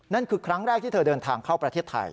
นั่นคือครั้งแรกที่เธอเดินทางเข้าประเทศไทย